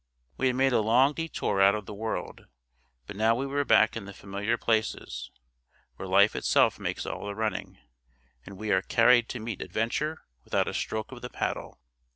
We had made a long détour out of the world, but now we were back in the familiar places, where life itself makes all the running, and we are carried to meet adventure without a stroke of the paddle.